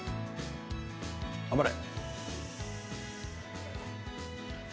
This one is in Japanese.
頑張れ！